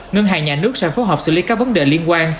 ngân hàng nhà nước sẽ phối hợp xử lý các vấn đề liên quan